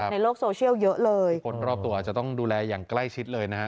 ในโลกโซเชียลเยอะเลยคนรอบตัวอาจจะต้องดูแลอย่างใกล้ชิดเลยนะฮะ